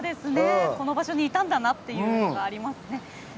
この場所にいたんだなというのがありますよね。